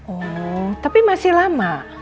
oh tapi masih lama